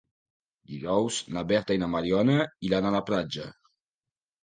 Dijous na Berta i na Mariona iran a la platja.